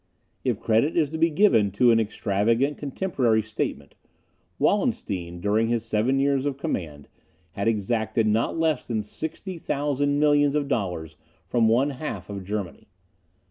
If credit is to be given to an extravagant contemporary statement, Wallenstein, during his seven years command, had exacted not less than sixty thousand millions of dollars from one half of Germany.